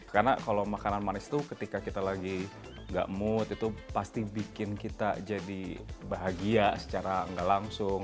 karena kalau makanan manis itu ketika kita lagi nggak mood itu pasti bikin kita jadi bahagia secara nggak langsung